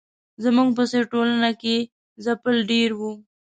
زموږ په څېر ټولنه کې ځپل ډېر وو.